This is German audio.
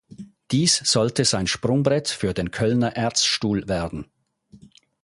Dies sollte sein Sprungbrett für den Kölner Erzstuhl werden.